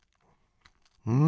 うん！